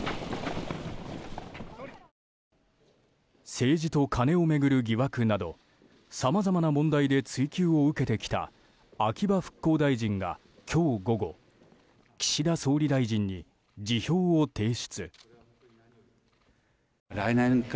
政治とカネを巡る疑惑などさまざまな問題で追及を受けてきた秋葉復興大臣が今日午後岸田総理大臣に辞表を提出。